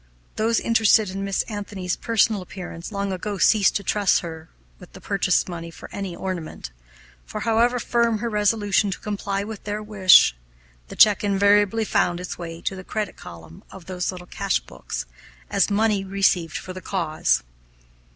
Those interested in Miss Anthony's personal appearance long ago ceased to trust her with the purchase money for any ornament; for, however firm her resolution to comply with their wish, the check invariably found its way to the credit column of those little cash books as "money received for the cause."